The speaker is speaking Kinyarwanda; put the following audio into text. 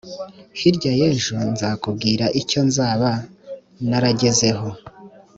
hirya y’ejo nzakubwira icyo nzaba naragezeho